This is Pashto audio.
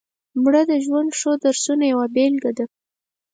مړه د ژوند ښو درسونو یوه بېلګه وه